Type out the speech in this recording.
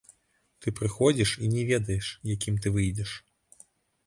Ты прыходзіш і не ведаеш, якім ты выйдзеш.